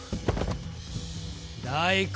大根。